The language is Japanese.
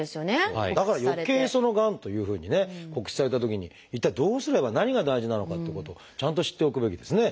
だからよけいがんというふうにね告知されたときに一体どうすれば何が大事なのかっていうことをちゃんと知っておくべきですね。